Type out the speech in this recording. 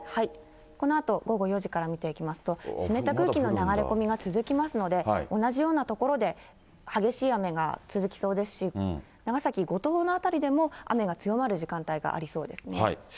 このあと午後４時から見ていきますと、湿った空気の流れ込みが続きますので、同じような所で激しい雨が続きそうですし、長崎・五島の辺りも雨が強まる時間帯がありそうです。